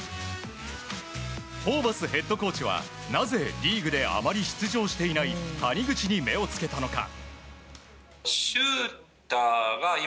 ホーバスヘッドコーチはなぜ、リーグであまり出場していない谷口に目を付けたのか。